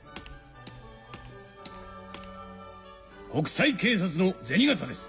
国際警察の銭形です。